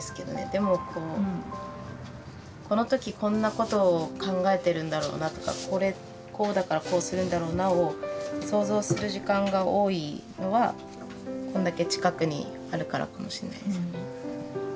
でもこうこの時こんなことを考えてるんだろうなとかこれこうだからこうするんだろうなを想像する時間が多いのはこんだけ近くにあるからかもしれないですよね。